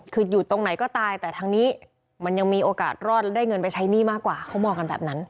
คืออยู่ตรงไหนก็ตายแต่ทางนี้มันยังมีโอกาสรอดได้เงินไปใช้หนี้มากกว่าเขามองกันแบบนั้น